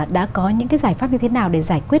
đã có những giải pháp như thế nào để giải quyết